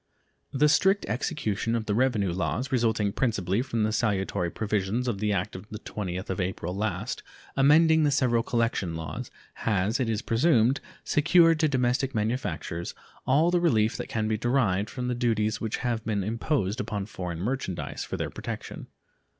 The strict execution of the revenue laws, resulting principally from the salutary provisions of the act of the 20th of April last amending the several collection laws, has, it is presumed, secured to domestic manufactures all the relief that can be derived from the duties which have been imposed upon foreign merchandise for their protection.